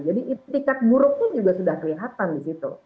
jadi tiket buruknya juga sudah kelihatan di situ